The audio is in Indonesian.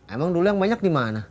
emang dulu yang banyak dimana